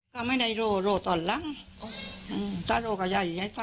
ก็ไม่ได้โหลโหลตอนลั้งถ้าโหลกับไยยยายต่ำ